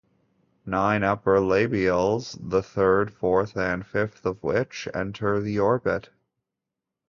Nine upper labials, the third, fourth, and fifth of which enter the orbit.